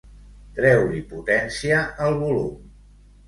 Treu-li potència al volum.